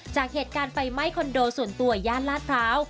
จากเหตุการณ์ไฟไหม้คอนโดส่วนตัวย่านลาดพร้าว